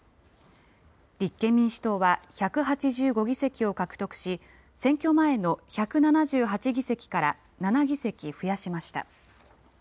立憲民主党は１８５議席を獲得し、選挙前の１７８議席から７議席増やしました。